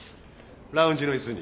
ラウンジの椅子に